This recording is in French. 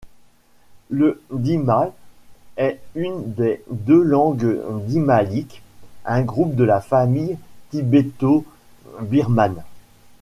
Le dhimal est une des deux langues dhimaliques, un groupe de la famille tibéto-birmane.